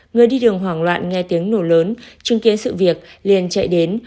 người đi đường hoảng loạn nghe tiếng nổ lớn chứng kiến sự việc liền chạy đến